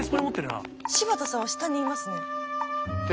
柴田さんは下にいますね。